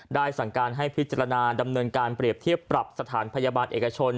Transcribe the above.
สั่งการให้พิจารณาดำเนินการเปรียบเทียบปรับสถานพยาบาลเอกชน